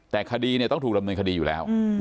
แต่คดีต้องถูกดำเนินคดีอยู่แล้ว